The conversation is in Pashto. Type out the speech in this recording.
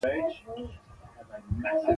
دا د هندوستان موقتي حکومت له خوا وه.